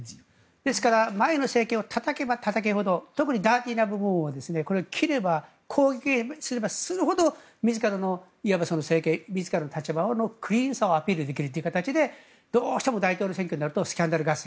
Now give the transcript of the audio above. ですから、前の政権をたたけばたたくほど特にダーティーな部分を攻撃すればするほど自らの立場のクリーンさをアピールできるという形でどうしても大統領選挙になるとスキャンダル合戦